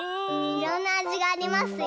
いろんなあじがありますよ。